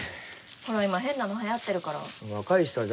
ほら今、変なのはやってるから。